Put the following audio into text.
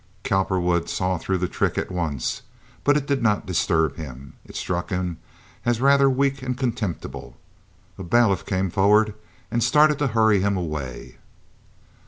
Cowperwood saw through the trick at once, but it did not disturb him. It struck him as rather weak and contemptible. A bailiff came forward and started to hurry him away.